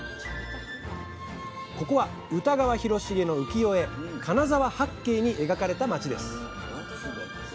ここは歌川広重の浮世絵「金沢八景」に描かれた町です